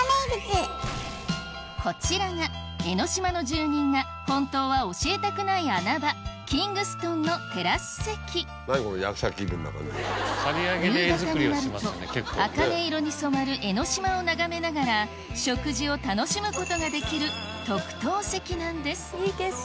こちらが江の島の住人が本当は教えたくない穴場ＫｉｎｇＳｔｏｎのテラス席夕方になるとあかね色に染まる江の島を眺めながら食事を楽しむことができるいい景色！